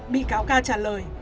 bị cáo ca trả lời